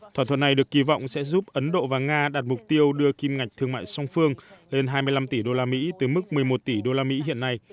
thỏa thuận này được kỳ vọng sẽ giúp ấn độ và nga đạt mục tiêu đưa kim ngạch thương mại song phương lên hai mươi năm tỷ usd từ mức một mươi một tỷ usd hiện nay